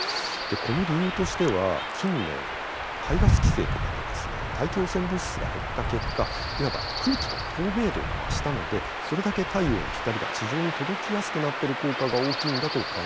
この理由としては近年排ガス規制とかでですね大気汚染物質が減った結果いわば空気の透明度が増したのでそれだけ太陽の光が地上に届きやすくなってる効果が大きいんだと考えられていて。